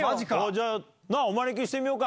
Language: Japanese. じゃあ、お招きしてみようか。